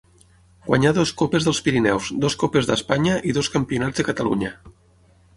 Guanyà dues Copes dels Pirineus, dues Copes d'Espanya i dos Campionats de Catalunya.